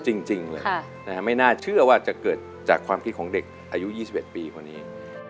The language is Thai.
จริงเลยไม่น่าเชื่อว่าจะเกิดจากความคิดของเด็กอายุ๒๑ปีคนนี้